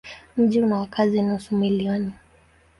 Mji una wakazi nusu milioni.